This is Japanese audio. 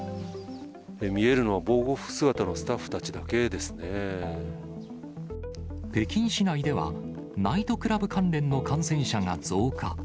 見えるのは防護服姿のスタッ北京市内では、ナイトクラブ関連の感染者が増加。